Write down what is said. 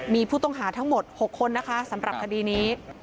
มีผู้ต้องหาทั้งหมด๖คนนะคะสำหรับคดีนี้